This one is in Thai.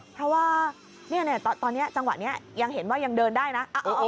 เพราะว่าตอนนี้จังหวะนี้ยังเห็นว่ายังเดินได้นะ